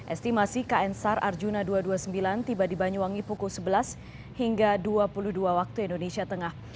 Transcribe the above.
estimasi kn sar arjuna dua ratus dua puluh sembilan tiba di banyuwangi pukul sebelas hingga dua puluh dua waktu indonesia tengah